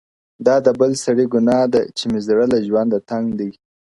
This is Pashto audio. دا د بل سړي ګنا دهچي مي زړه له ژونده تنګ دی-